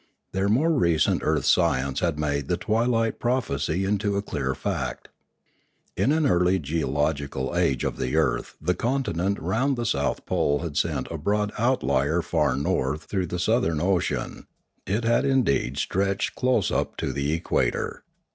Their more recent earth science had made the twilight pro phecy into a clear fact. In an early geological age of the earth the continent round the south pole had sent a broad outlier far north through the southern ocean; it had indeed stretched close up to the equator.